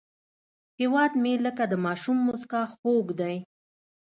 هیواد مې لکه د ماشوم موسکا خوږ دی